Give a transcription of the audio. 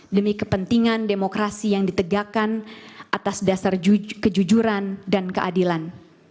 demi kepentingan demokrasi yang ditegakkan atas dasar kejujuran dan keadilan